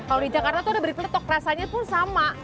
kalau di jakarta tuh ada beer peletok rasanya pun sama